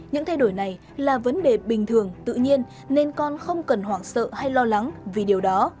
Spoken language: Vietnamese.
những thay đổi này là vấn đề bình thường tự nhiên nên con không cần hoảng sợ hay lo lắng vì điều đó